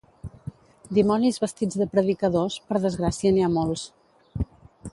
Dimonis vestits de predicadors, per desgràcia n'hi ha molts.